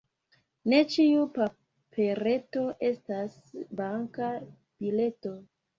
Ne ĉiu papereto estas banka bileto.